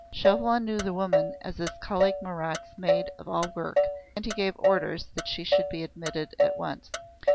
Chauvelin knew the woman as his colleague Marat's maid of all work, and he gave orders that she should be admitted at once.